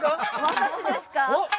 私ですか？